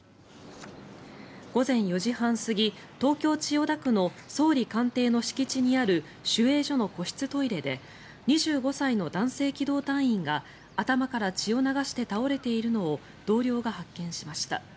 午前４時半過ぎ東京・千代田区の総理官邸の敷地にある守衛所の個室トイレで２５歳の男性機動隊員が頭から血を流して倒れているのを同僚が発見しました。